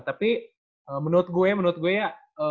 tapi menurut gue menurut gue ya